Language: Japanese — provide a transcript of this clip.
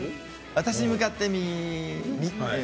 私に向かって右側。